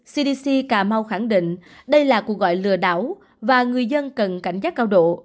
cdc cà mau khẳng định đây là cuộc gọi lừa đảo và người dân cần cảnh giác cao độ